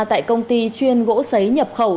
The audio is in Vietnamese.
tại công ty chuyên gỗ sấy nhập khẩu